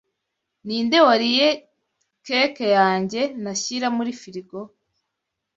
Ninde wariye cake yanjye nashyira muri frigo?